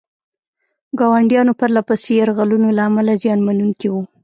ګاونډیانو پرله پسې یرغلونو له امله زیان منونکي وو.